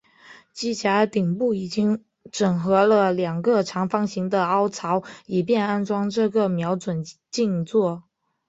机匣顶部已经整合了两个长方形的凹槽以便安装这个瞄准镜座。